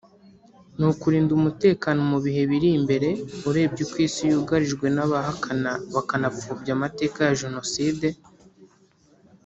ni ukurinda umutekano mu bihe biri imbere urebye uko Isi yugarijwe n’abahakana bakanapfobya amateka ya Jenoside